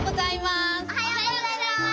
おはようございます！